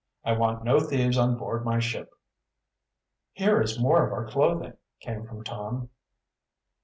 I want no thieves on board my ship." "Here is more of our clothing," came from Tom.